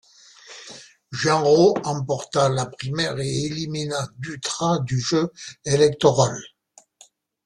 Genro emporta la primaire et élimina Dutra du jeu électoral.